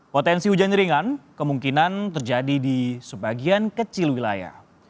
potensi hujan ringan kemungkinan terjadi di sebagian kecil wilayah